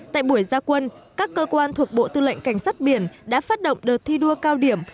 tại buổi gia quân các cơ quan thuộc bộ tư lệnh cảnh sát biển đã phát động đợt thi đua cao điểm